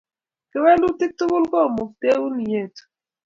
kewelutik tukul komukten ietu